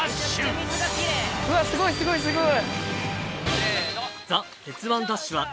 うわすごいすごいすごい。